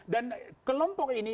dan kelompok ini